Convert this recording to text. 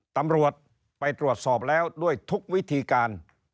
ตำรวจไปตรวจสอบแล้วด้วยทุกวิธีการ